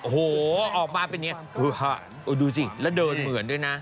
โหออกมาเป็นเงี้ยดูจริงและเดินเหมือนด้วยนะ